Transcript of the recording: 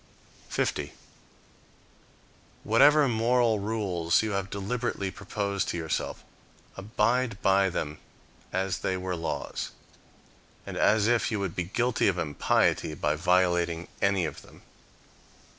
50. Whatever moral rules you have deliberately proposed to yourself. abide by them as they were laws, and as if you would be guilty of impiety by violating any of them.